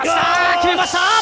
決めました！